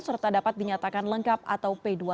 serta dapat dinyatakan lengkap atau p dua puluh satu